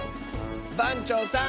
ばんちょうさん。